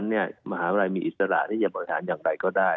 มหาวิทยาลัยมีอิสระที่จะบริหารอย่างไรก็ได้